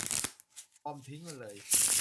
บอมบ์ทิ้งมันเลย !